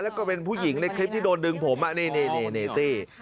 แล้วก็เป็นผู้หญิงในคลิปที่โดนดึงผมนี่ตี้